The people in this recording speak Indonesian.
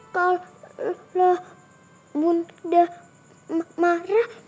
kalau bunda marah